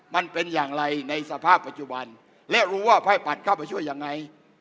มันเป็นอย่างไรในสภาพปัจจุบันและรู้ว่าภาครัฐเข้าไปช่วยยังไง